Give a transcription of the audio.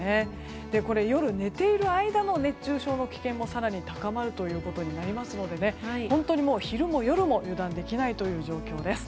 これは夜寝ている間の熱中症の危険も更に高まるということになりますので昼も夜も油断できない状況です。